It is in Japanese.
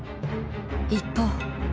一方。